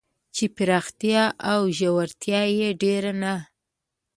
چې پراختیا او ژورتیا یې ډېر نه